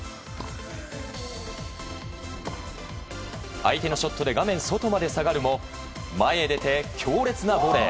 相手のショットで画面外まで下がるも前へ出て、強烈なボレー。